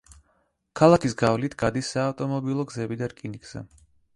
ქალაქის გავლით გადის საავტომობილო გზები და რკინიგზა.